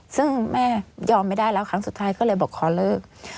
ซึ่งแม่ยอมไม่ได้แล้วครั้งสุดท้ายก็เลยบอกขอเลิก